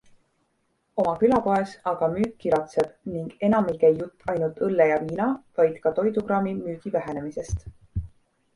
Oma külapoes aga müük kiratseb ning enam ei käi jutt ainult õlle ja viina, vaid ka toidukraami müügi vähenemisest.